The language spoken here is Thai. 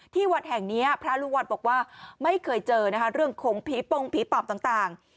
วัดแห่งนี้พระลูกวัดบอกว่าไม่เคยเจอนะคะเรื่องของผีปงผีปอบต่าง